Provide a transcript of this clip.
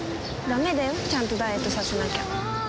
ダメだよちゃんとダイエットさせなきゃ。